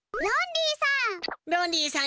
ロンリーさん！